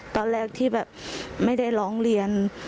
ตอนแรกที่แบบไม่ได้ร้องเรียน